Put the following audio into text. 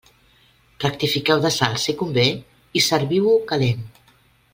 Rectifiqueu de sal si convé i serviu-ho calent.